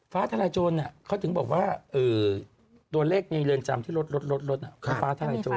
ฟ้าทลายโจรเขาถึงบอกว่าตัวเลขในเรือนจำที่ลดฟ้าทลายโจร